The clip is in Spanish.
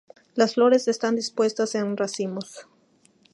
Las flores están dispuestas en racimos.